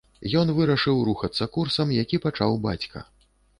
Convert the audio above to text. Ён вырашыў рухацца курсам, які пачаў бацька.